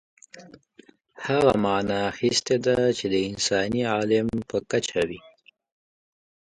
هغه معنا اخیستې ده چې د انساني عالم په کچه وي.